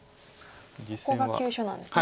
ここが急所なんですね。